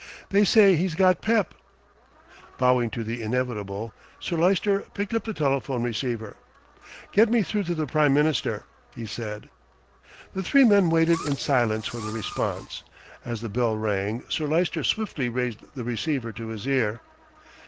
"They say he's got pep." Bowing to the inevitable, Sir Lyster picked up the telephone receiver. "Get me through to the Prime Minister," he said. The three men waited in silence for the response. As the bell rang, Sir Lyster swiftly raised the receiver to his ear.